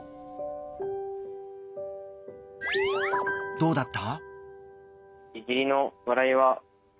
どうだった？